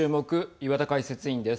岩田解説委員です。